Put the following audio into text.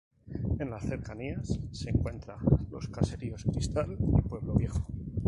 En las cercanías se encuentran los caseríos Cristal y Pueblo Viejo.